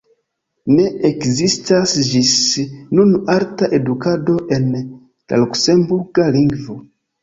Ne ekzistas ĝis nun alta edukado en la luksemburga lingvo.